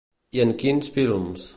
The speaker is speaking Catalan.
I en quins films?